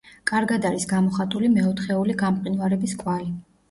კარგად არის გამოხატული მეოთხეული გამყინვარების კვალი.